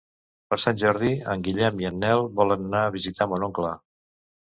Per Sant Jordi en Guillem i en Nel volen anar a visitar mon oncle.